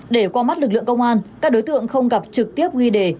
để qua mắt lực lượng công an các đối tượng không gặp trực tiếp ghi đề